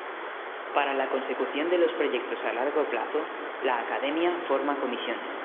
Para la consecución de los proyectos a largo plazo, la Academia forma Comisiones.